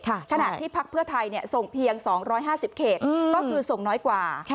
ขณะที่พักเพื่อไทยส่งเพียง๒๕๐เขตก็คือส่งน้อยกว่า